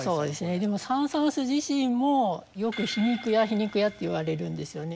でもサン・サーンス自身もよく皮肉屋皮肉屋っていわれるんですよね。